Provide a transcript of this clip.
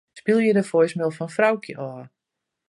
Spylje de voicemail fan Froukje ôf.